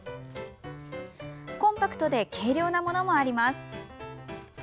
コンパクトで軽量なものもあります。